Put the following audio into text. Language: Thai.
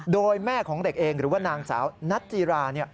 โดยแม่ของเด็กเองหรือว่านางสาวนัทจีรา